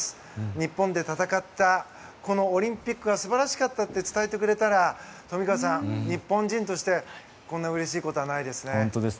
日本で戦ったこのオリンピックは素晴らしかったって伝えてくれたら富川さん、日本人としてこんなにうれしいことはないですね。